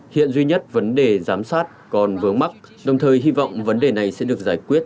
hiện duy nhất vấn đề giám sát còn vướng mắt đồng thời hy vọng vấn đề này sẽ được giải quyết